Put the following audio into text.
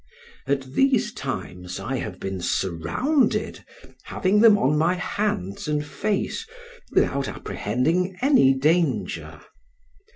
At these times I have been surrounded, having them on my hands and face without apprehending any danger.